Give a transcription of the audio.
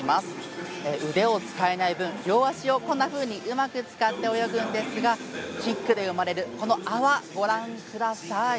腕を使えない分、こんなふうに両足をうまく使って泳ぐんですがキックで生まれる、この泡ご覧ください。